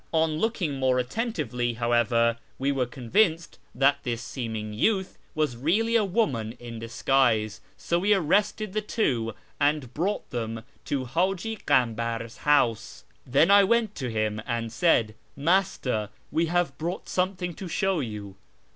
On looking more attentively, however, we were convinced that this seeming youth was really a woman in disguise, so we arrested the two, and brought them to Hi'iji Kambar's house. Then I went to him and said, ' Master, we have brought something to show you.'